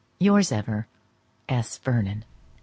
Yours ever, S. VERNON.